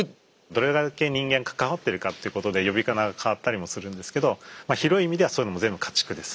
どれだけ人間関わってるかっていうことで呼び方が変わったりもするんですけど広い意味ではそういうのも全部家畜です。